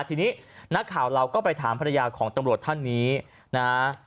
ทีนี้นักข่าวเราก็ไปถามภรรยาของตำรวจท่านนี้นะฮะ